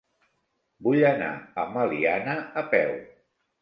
Vull anar a Meliana a peu.